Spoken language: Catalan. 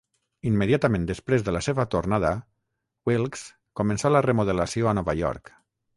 Immediatament després de la seva tornada, "Wilkes" començà la remodelació a Nova York.